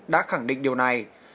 đã khẳng định điều này